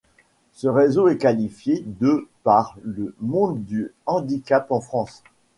Ce réseau est qualifié de par le monde du handicap en France.